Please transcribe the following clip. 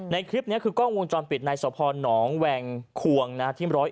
ในคลิปนี้คือกล้องวงจรปิดในสพหนองแวงควงนะที่๑๐๑